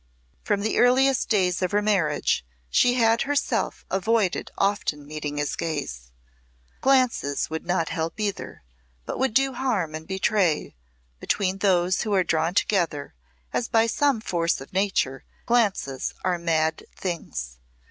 From the earliest days of her marriage she had herself avoided often meeting his gaze. Glances would not help either, but would do harm and betray between those who are drawn together as by some force of Nature, glances are mad things.